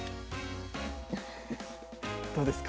どうですか？